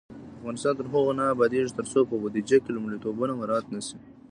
افغانستان تر هغو نه ابادیږي، ترڅو په بودیجه کې لومړیتوبونه مراعت نشي.